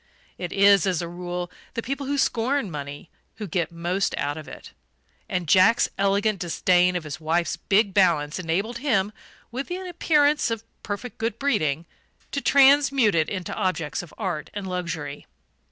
It is, as a rule, the people who scorn money who get most out of it; and Jack's elegant disdain of his wife's big balance enabled him, with an appearance of perfect good breeding, to transmute it into objects of art and luxury.